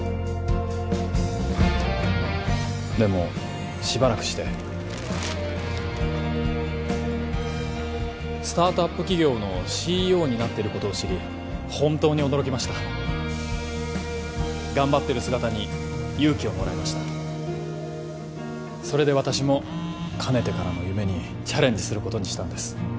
でもしばらくしてスタートアップ企業のＣＥＯになってることを知り本当に驚きました頑張ってる姿に勇気をもらいましたそれで私もかねてからの夢にチャレンジすることにしたんです